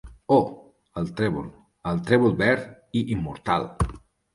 Oh, el Trèvol, el Trèvol verd i immortal!